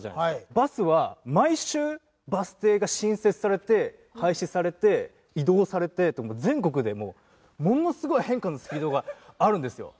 バスは毎週バス停が新設されて廃止されて移動されてって全国でもうものすごい変化のスピードがあるんですよ。